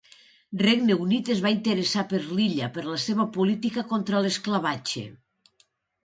Regne Unit es va interessar per l'illa per la seva política contra l'esclavatge.